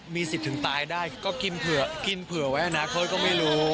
มีสิทธิ์ถึงตายได้ก็กินเผื่อไว้นะเค้าก็ไม่รู้